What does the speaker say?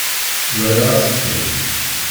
Nɣiɣ-as-ten.